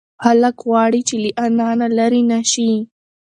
هلک غواړي چې له انا نه لرې نشي.